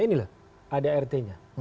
ini lah adart nya